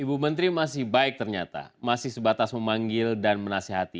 ibu menteri masih baik ternyata masih sebatas memanggil dan menasehati